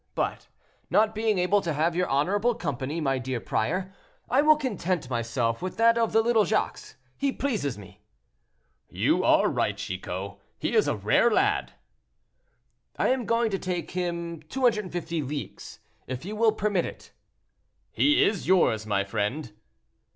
But not being able to have your honorable company, my dear prior, I will content myself with that of the little Jacques; he pleases me." "You are right, Chicot, he is a rare lad." "I am going to take him 250 leagues, if you will permit it." "He is yours, my friend."